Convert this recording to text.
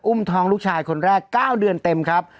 ท้องลูกชายคนแรก๙เดือนเต็มครับ